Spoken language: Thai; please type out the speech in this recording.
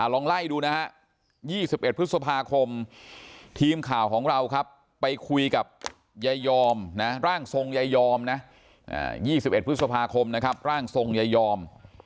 ลองไล่ดูนะฮะ๒๑พฤษภาคมทีมข่าวของเราครับไปคุยกับยายอมนะร่างทรงยายอมนะ๒๑พฤษภาคมนะครับร่างทรงยายอม